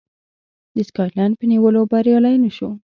د سکاټلنډ په نیولو بریالی نه شو.